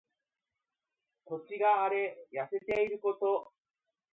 土地が荒れ痩せていること。